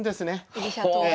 居飛車党は。